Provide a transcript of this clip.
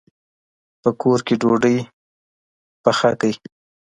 په کور کې ډوډۍ پخ کړئ.